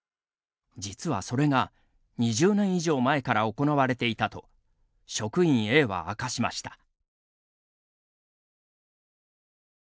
実は、それが２０年以上前から行われていたと職員Ａは明かしました。